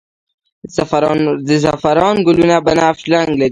د زعفران ګلونه بنفش رنګ لري